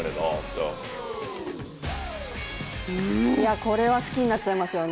これは好きになっちゃいますよね。